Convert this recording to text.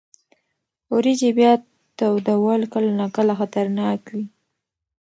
وریجې بیا تودول کله ناکله خطرناک وي.